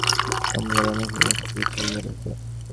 কমলা রমেশের মুখের দিকে চাহিয়া রহিল।